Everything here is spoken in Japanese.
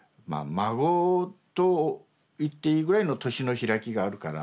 孫といっていいぐらいの年の開きがあるから。